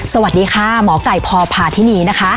สวัสดีค่ะหมอไก่พพาธินีนะคะ